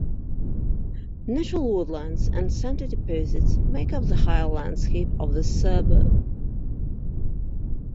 Natural woodlands and sandy deposits make up the higher landscape of this suburb.